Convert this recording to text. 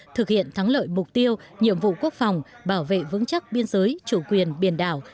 thực hiện thắng lợi mục tiêu nhiệm vụ quốc phòng bảo vệ vững chắc biên giới chủ quyền biển đảo